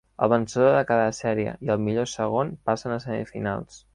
El vencedor de cada sèrie i el millor segon passen a semifinals.